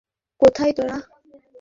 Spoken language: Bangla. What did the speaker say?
হ্যালো -কোথায় তোরা?